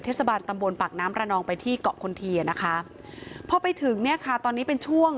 เทศบาลตำบลปากน้ำระนองไปที่เกาะคนทีอ่ะนะคะพอไปถึงเนี่ยค่ะตอนนี้เป็นช่วง